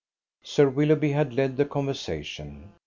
Sir Willoughby had led the conversation.